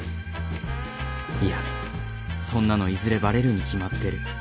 いやそんなのいずれバレるに決まってる。